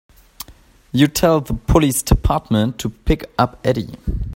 You tell the police department to pick up Eddie.